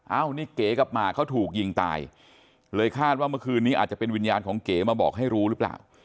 นี่เก๋กับหมากเขาถูกยิงตายเลยคาดว่าเมื่อคืนนี้อาจจะเป็นวิญญาณของเก๋มาบอกให้รู้หรือเปล่า